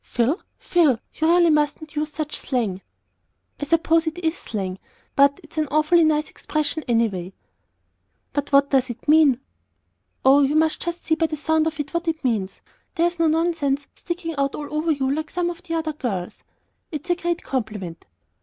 Phil, Phil, you really mustn't use such slang." "I suppose it is slang; but it's an awfully nice expression anyway." "But what does it mean?" "Oh, you must see just by the sound of it what it means, that there's no nonsense sticking out all over you like some of the girls. It's a great compliment!"